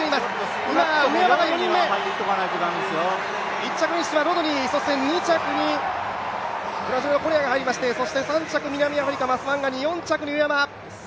１着フィニッシュはロドニー、２着にブラジルのコレアが入りまして、そして３着南アフリカ、マスワンガニー４着に上山。